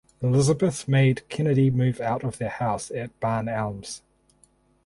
Elizabeth made Kennedy move out of their house at Barn Elms.